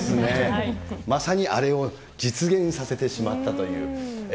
あれですね、まさにあれを実現させてしまったという。